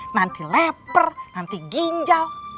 nanti leper nanti ginjal